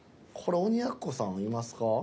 これ鬼奴さんいますか？